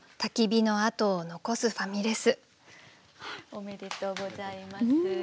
おめでとうございます。